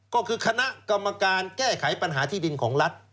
ก็คือคณะกรรมการแก้ไขปัญหาที่ดินของรัฐ